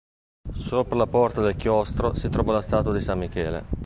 Sopra la porta del chiostro si trova la statua di San Michele.